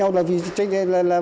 họ mâu thuẫn với nhau